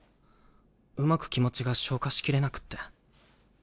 うまく気持ちが消化しきれなくって。